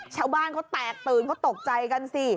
ชาวบ้านเขาแตกตื่นเขาตกใจกันสิ